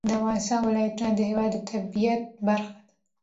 د افغانستان ولایتونه د هېواد د طبیعت برخه ده.